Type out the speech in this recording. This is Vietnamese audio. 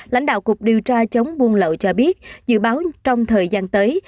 lãnh đạo cục điều tra chống buôn lậu cho biết dự báo trong thời gian tới